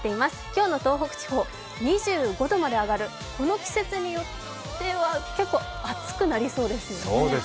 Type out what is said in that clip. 今日の東北地方２５度まで上がる、この季節によっては結構暑くなりそうですね。